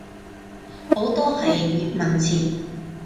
好多係粵文詞